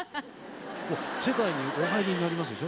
世界にお入りになりますでしょ。